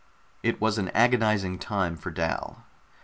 It was an agonizing time for Dal.